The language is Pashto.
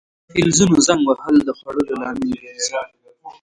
د فلزونو زنګ وهل د خوړلو لامل ګرځي.